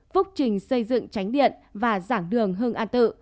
phúc trình xây dựng tránh điện và giảng đường hưng an tự